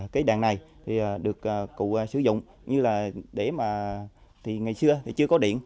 cái đàn này được cụ sử dụng như là để mà thì ngày xưa thì chưa có điện